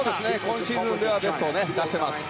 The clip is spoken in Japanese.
今シーズンのベストを出していますね。